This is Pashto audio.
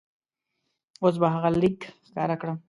اوس به هغه لیک ښکاره کړم.